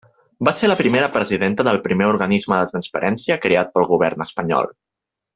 Va ser la primera presidenta del primer organisme de transparència creat pel Govern espanyol.